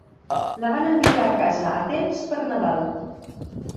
La van enviar a casa a temps per Nadal.